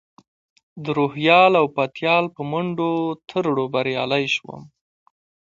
د روهیال او پتیال په منډو ترړو بریالی شوم.